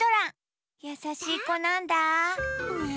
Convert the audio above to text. やさしいこなんだ。